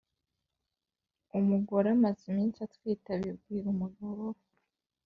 umugore amaze iminsi atwite abibwira umugabo we